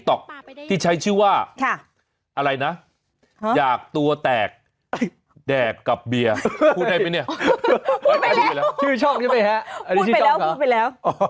โอ๊ยตายแล้ว